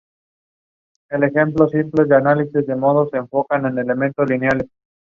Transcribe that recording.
"Michael brought those negatives over to our place," explains photographer Terry Allen.